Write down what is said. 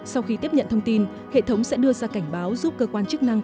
sau khi tiếp nhận thông tin hệ thống sẽ đưa ra cảnh báo giúp cơ quan chức năng